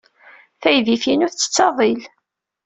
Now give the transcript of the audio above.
Taydit-inu tettett aḍil.